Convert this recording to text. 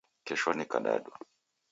Kesho ni kadadu